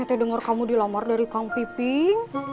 emek itu dengar kamu dilamar dari kang piping